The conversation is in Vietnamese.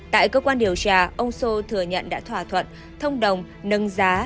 tại cơ quan điều tra ông sô thừa nhận đã thỏa thuận thông đồng nâng giá